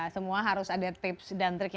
semua harus ada tips dan trik yang diberikan